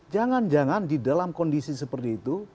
jangan jangan di dalam kondisi seperti itu